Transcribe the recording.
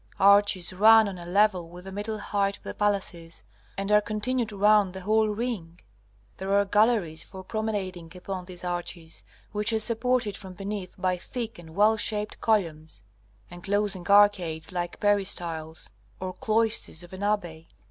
Arches run on a level with the middle height of the palaces, and are continued round the whole ring. There are galleries for promenading upon these arches, which are supported from beneath by thick and well shaped columns, enclosing arcades like peristyles, or cloisters of an abbey.